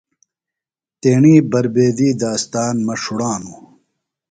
تیݨی بربیدی داستان مہ ݜوڻانوۡ۔